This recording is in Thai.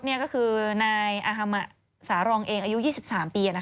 นี่ก็คือนายอาฮามะสารรองเองอายุ๒๓ปี